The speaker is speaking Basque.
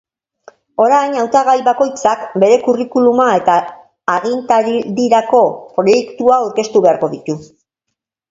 Orain, hautagai bakoitzak bere curriculuma eta agintaldirako proiektua aurkeztu beharko ditu.